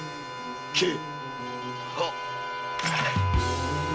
斬れ！